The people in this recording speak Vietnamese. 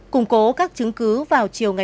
cùng cố các chứng cứ vào chiều nay